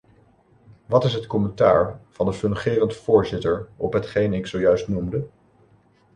Wat is het commentaar van de fungerend voorzitter op hetgeen ik zojuist noemde?